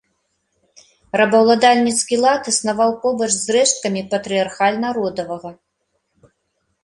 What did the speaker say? Рабаўладальніцкі лад існаваў побач з рэшткамі патрыярхальна-родавага.